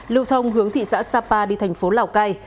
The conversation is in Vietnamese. lưu thông hướng thị xã sapa đi thành phố lào cai